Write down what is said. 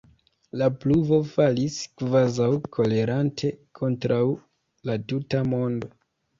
La pluvo falis, kvazaŭ kolerante kontraŭ la tuta mondo.